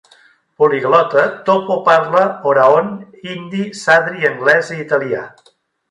Poliglota, Toppo parla oraon, hindi, sadri, anglès i italià.